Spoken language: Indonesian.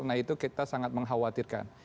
nah itu kita sangat mengkhawatirkan